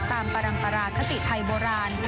ปรังตราคติไทยโบราณ